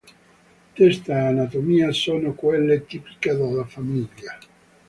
Testa e anatomia sono quelle tipiche della famiglia.